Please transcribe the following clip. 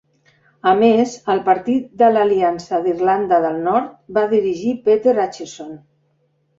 A més, el partit de l'Aliança d'Irlanda del Nord va dirigir Peter Acheson.